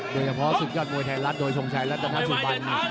โดยเฉพาะศึกยอดมวยไทยรัฐโดยทรงชัยรัฐนาสุบัน